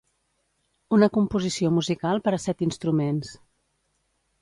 Una composició musical per a set instruments